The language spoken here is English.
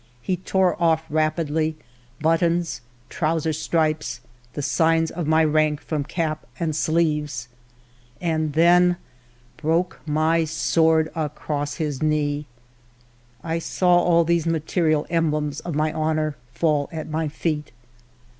He tore off rapidly buttons, trousers stripes, the signs of my rank from cap and ALFRED DREYFUS 51 sleeves, and then broke my sword across his knee. I saw all these material emblems of my honor fall at my feet.